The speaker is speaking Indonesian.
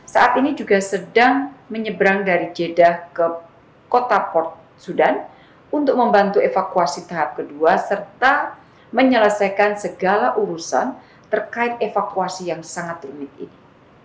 saat ini juga sedang menyeberang dari jeddah ke kota port sudan untuk membantu evakuasi tahap kedua serta menyelesaikan segala urusan terkait evakuasi yang sangat rumit ini